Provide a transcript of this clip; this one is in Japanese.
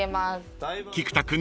［菊田君